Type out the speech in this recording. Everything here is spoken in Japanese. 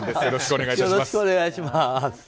よろしくお願いします。